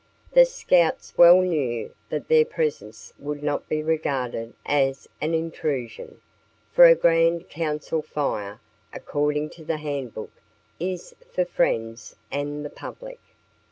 The Scouts well knew that their presence would not be regarded as an intrusion, for a Grand Council Fire, according to the handbook, "is for friends and the public."